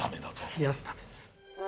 冷やすためです。